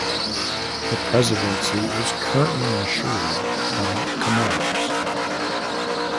The Presidency is currently ensured by Comoros.